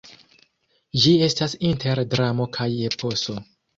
Ĝi estas inter dramo kaj eposo.